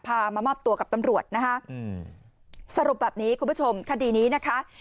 มามอบตัวกับตำรวจนะคะอืมสรุปแบบนี้คุณผู้ชมคดีนี้นะคะ